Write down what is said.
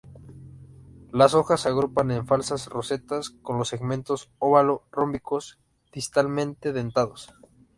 Las hojas se agrupan en falsas rosetas, con los segmentos ovalo-rómbicos, distalmente dentados.